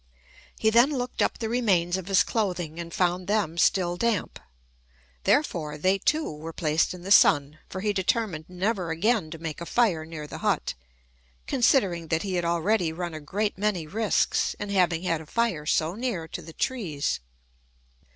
He then looked up the remains of his clothing, and found them still damp; therefore they too were placed in the sun, for he determined never again to make a fire near the hut, considering that he had already run a great many risks, in having had a fire so near to the trees.